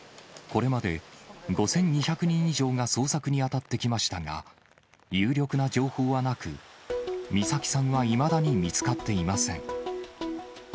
これまで、５２００人以上が捜索に当たってきましたが、有力な情報はなく、美咲さんはいまだに見つかっていません。